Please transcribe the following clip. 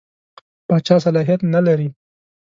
پاچا صلاحیت نه لري.